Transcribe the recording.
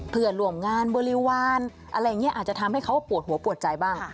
เพื่อนร่วมงานบริวารอะไรอย่างนี้อาจจะทำให้เขาปวดหัวปวดใจบ้าง